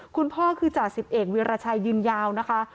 คุณพ่อคือจ่าสิบเอกวีรชัยยืนยาวนะคะ